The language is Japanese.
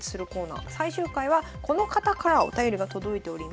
最終回はこの方からお便りが届いております。